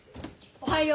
おはよう。